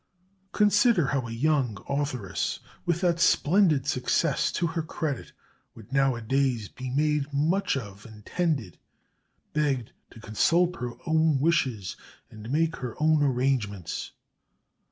Consider how a young authoress, with that splendid success to her credit, would nowadays be made much of and tended, begged to consult her own wishes and make, her own arrangements.